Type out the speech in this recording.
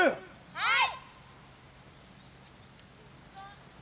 はい！